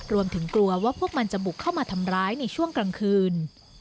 รวมถึงกลัวว่าพวกมันจะบุกเข้ามาทำร้ายในช่วงกลางคืน